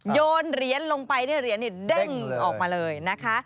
โยนเหรียญลงไปได้เหรียญเด้งออกมาเลยนะคะ